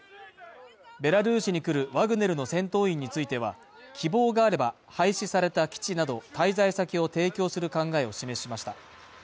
ベラルーシに来るワグネルの戦闘員については希望があれば、廃止された基地など、滞在先を提供する考えを示しました。